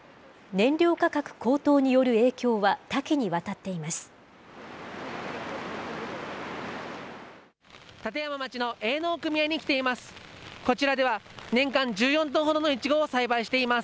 燃料価格高騰による影響は、多岐にわたっています。